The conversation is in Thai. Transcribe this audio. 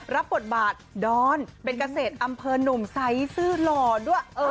รับบทบาทดอนเป็นเกษตรอำเภอหนุ่มไซส์ซื่อหล่อด้วย